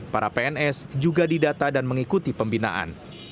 para pns juga didata dan mengikuti pembinaan